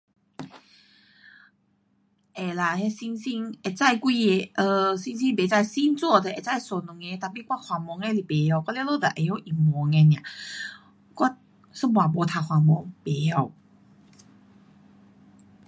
会啦，那星星会几个 um 星星不知 but 星座就会知一两个 tapi 我华文的不会。我全部只知道英文的 nia。我一半没读华文，不会。